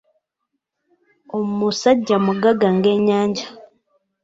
Omusajja mugagga ng'ennyanja.